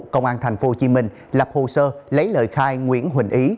công an thành phố hồ chí minh lập hồ sơ lấy lời khai nguyễn huỳnh ý